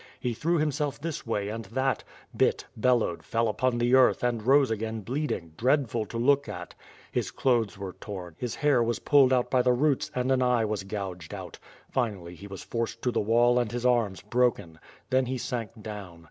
He threw himself this way, and that, bit, bellowed, fell upon the earth and rose again bleeding, dreadful to look at. His clothes were torn, his hair was pulled out by the roots, and an eye was gouged out. Finally, he was forced to the wall and his arms broken. Then he sank down.